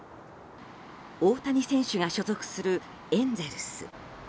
大谷選手が所属するエンゼルス。